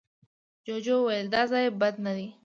جوجو وويل، دا ځای بد نه دی.